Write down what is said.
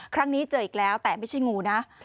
ครั้งนี้เจออีกแล้วแต่ไม่ใช่งูนะ